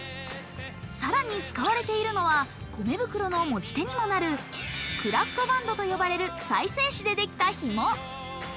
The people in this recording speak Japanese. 更に使われているのは米袋の持ち手にもなるクラフトバンドと呼ばれる再生紙でできたひも。